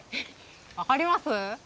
分かります？